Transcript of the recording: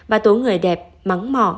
và tố người đẹp mắng mỏ